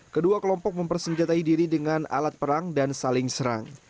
kedua kelompok mempersenjatai diri dengan alat perang dan saling serang